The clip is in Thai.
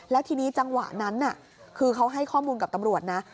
แล้วทีนี้จังหวะนั้นคือเขาให้ข้อมูลกับตำรวจนะ